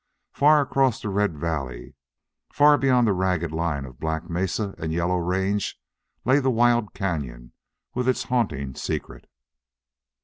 Far across the red valley, far beyond the ragged line of black mesa and yellow range, lay the wild cañon with its haunting secret.